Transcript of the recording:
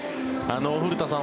古田さん